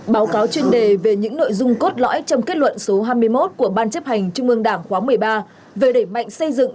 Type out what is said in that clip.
báo cáo chuyên đề về những nội dung cốt lõi trong kết luận số hai mươi một của ban chấp hành trung ương đảng khóa một mươi ba về đẩy mạnh xây dựng